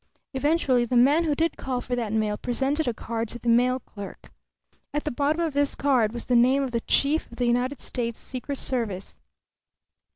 Eventually, the man who did call for that mail presented a card to the mail clerk. At the bottom of this card was the name of the chief of the United States Secret Service.